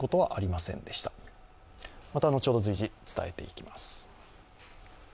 また後ほど随時伝えていきます。